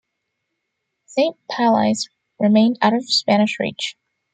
Saint-Palais remained out of Spanish reach.